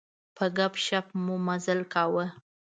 په ګپ شپ مو مزال کاوه.